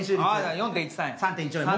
４．１３や。